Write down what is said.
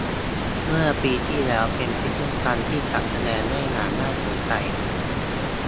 เมื่อปีที่แล้ว เป็นพิพิธภัณฑ์ที่จัดแสดงได้อย่างน่าสนใจ